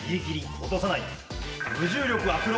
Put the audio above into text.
落とさない。